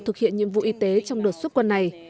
thực hiện nhiệm vụ y tế trong đợt xuất quân này